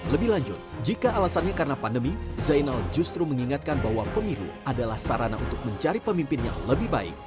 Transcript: lebih lanjut jika alasannya karena pandemi zainal justru mengingatkan bahwa pemilu adalah sarana untuk mencari pemimpin yang lebih baik